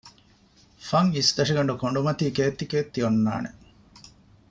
ފަން އިސްތަށިގަނޑު ކޮނޑުމަތީ ކޭއްތި ކޭއްތި އޮންނާނެ